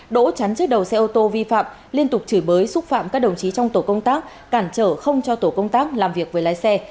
đỗ chắn trước đầu xe ô tô vi phạm liên tục chửi bới xúc phạm các đồng chí trong tổ công tác cản trở không cho tổ công tác làm việc với lái xe